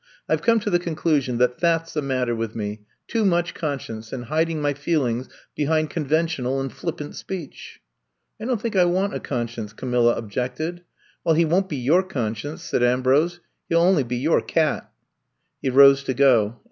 I 've come to the conclusion that that 's the matter with me — too much conscience, and hiding my feelings behind conventional and flip pant speech.'' *^I don't think I want a conscience," Camilla objected. Well, he won't be your conscience," said Ambrose. He '11 only be your cat.